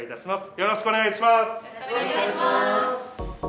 よろしくお願いします。